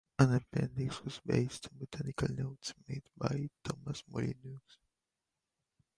An appendix was based on botanical notes made by Thomas Molyneux.